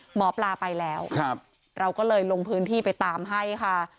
หมอปลาไปแล้วเราก็เลยลงพื้นที่ไปตามให้ค่ะ